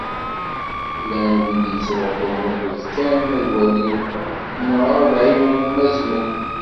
Llan wid yettruḥun akken kan ad walin, neɣ ad ɛiwnen ma zemren.